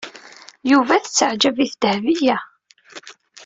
Yuba tettaɛǧab-it Dahbiya.